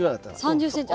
３０ｃｍ。